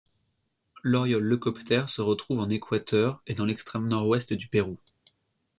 L’Oriole leucoptère se retrouve en Équateur et dans l’extrême nord-ouest du Pérou.